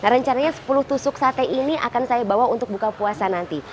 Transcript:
rencananya sepuluh tusuk sate ini akan saya bawa untuk buka puasa nanti